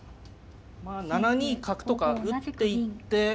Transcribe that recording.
まあ７二角とか打っていって。